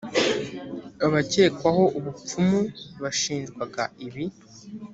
abakekwagaho ubupfumu bashinjwaga ibibi